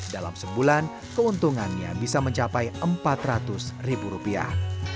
dalam sebulan keuntungannya bisa mencapai empat ratus ribu rupiah